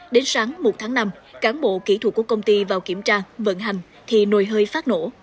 đến sáng một tháng năm cán bộ kỹ thuật của công ty vào kiểm tra vận hành thì nồi hơi phát nổ